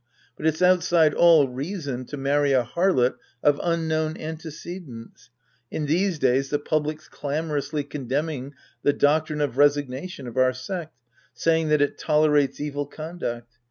But it's outside all reason to marry a harlot of unknown antecedents. In these days the public's clamorously condemning the doctrine of resignation of our sect, saying that it tolerates evil conduct.